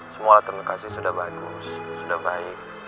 semua alternatif sudah bagus sudah baik